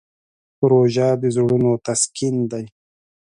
روژه د زړونو تسکین دی.